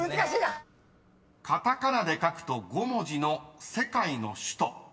［カタカナで書くと５文字の世界の首都］